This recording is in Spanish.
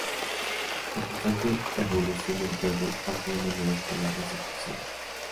La constante evolución del juego va creando nuevas palabras y expresiones.